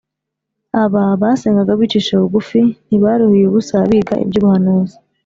Aba basengaga bicishije bugufi, ntibaruhiye ubusa biga iby’ubuhanuzi